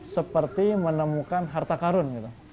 seperti menemukan harta karun